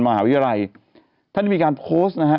มหาวิทยาลัยท่านมีการโพสต์